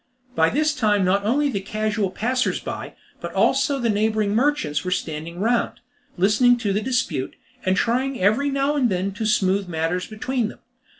By this time not only the casual passers by, but also the neighbouring merchants, were standing round, listening to the dispute, and trying every now and then to smooth matters between them.